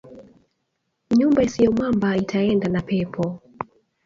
Nyumba isio mwamba itaenda na pepo